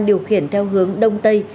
điều khiển theo hướng đông tây